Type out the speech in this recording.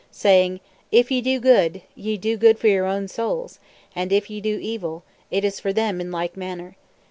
P: (Saying): If ye do good, ye do good for your own souls, and if ye do evil, it is for them (in like manner).